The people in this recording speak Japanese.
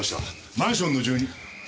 マンションの住人。